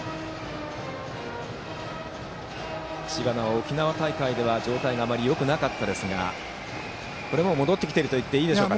知花は沖縄大会では状態があまりよくなかったですが戻ってきていると言っていいでしょうか。